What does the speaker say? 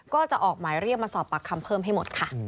ก็จะออกหมายเรียกมาสอบปากคำเพิ่มให้หมดค่ะ